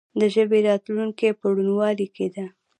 د ژبې راتلونکې په روڼوالي کې ده.